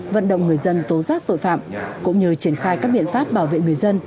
vận động người dân tố giác tội phạm cũng như triển khai các biện pháp bảo vệ người dân